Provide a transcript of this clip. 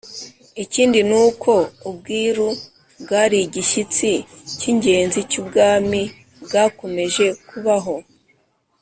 ikindi ni uko ubwiru bwari igishyitsi cy'ingenzi cy'ubwami bwakomeje kubaho.